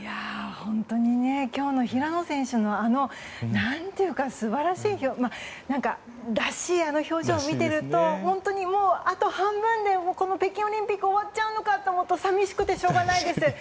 本当に今日の平野選手の何というか素晴らしいらしいあの表情を見ていると本当にもうあと半分で北京オリンピック終わっちゃうのかと思うとさみしくてしょうがないです。